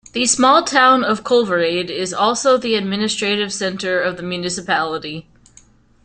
The small town of Kolvereid is also the administrative centre of the municipality.